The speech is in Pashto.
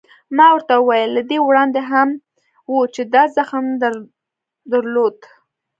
ما ورته وویل: له دې وړاندې هم و، چې دا زخم در درلود؟